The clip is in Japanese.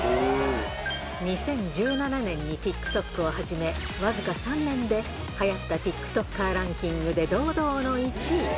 ２０１７年にＴｉｋＴｏｋを始め、僅か３年ではやったティックトッカーランキングで堂々の１位。